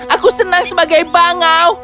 aku senang sebagai bangau